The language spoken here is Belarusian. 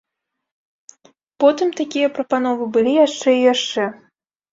Потым такія прапановы былі яшчэ і яшчэ.